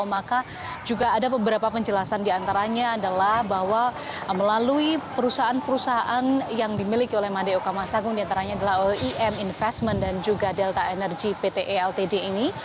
maka juga ada beberapa penjelasan diantaranya adalah bahwa melalui perusahaan perusahaan yang dimiliki oleh madeo kamasagung diantaranya adalah oem investment dan juga delta energy pt eltd ini